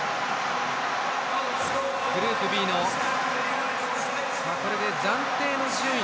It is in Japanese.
グループＢの暫定の順位